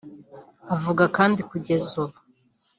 Avuga kandi kugeza ubu